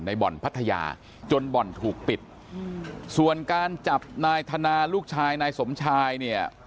บ่อนพัทยาจนบ่อนถูกปิดส่วนการจับนายธนาลูกชายนายสมชายเนี่ย